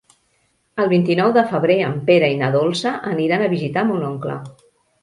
El vint-i-nou de febrer en Pere i na Dolça aniran a visitar mon oncle.